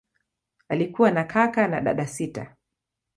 Alikuwa na kaka na dada sita.